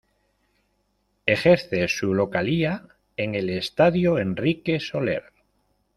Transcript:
Ejerce su localía en el Estadio Enrique Soler.